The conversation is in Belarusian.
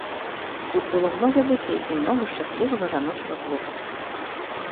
Тут было многа дзяцей і многа шчаслівага жаночага клопату.